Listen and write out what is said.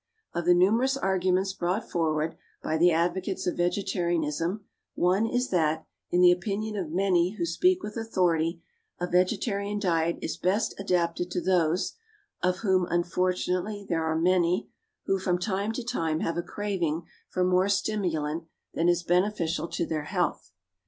Of the numerous arguments brought forward by the advocates of vegetarianism, one is that, in the opinion of many who speak with authority, a vegetarian diet is best adapted to those of whom, unfortunately, there are many who, from time to time, have a craving for more stimulant than is beneficial to their health.